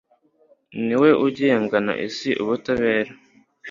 Ni we ugengana isi ubutabera